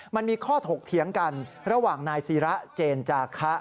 มันมีข้อถกเถียงกันระหว่างนายศิระเจนจาคะ